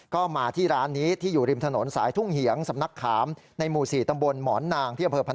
ก็มาที่ร้านนี้ที่อยู่ริมถนนสายทุ่งเหยียง